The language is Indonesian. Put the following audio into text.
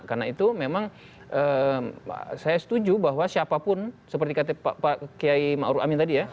karena itu memang saya setuju bahwa siapapun seperti kata pak kiai ma'ruf amin tadi ya